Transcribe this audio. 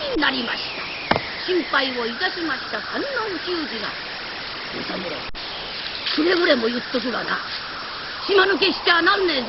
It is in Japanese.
心配をいたしました観音久次が「与三郎くれぐれも言っとくがな島抜けしちゃあなんねえぞ。